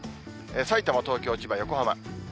さいたま、東京、千葉、横浜。